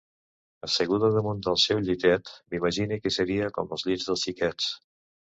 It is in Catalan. Asseguda damunt del seu llitet, m’imagine que seria com els llits dels xiquets,.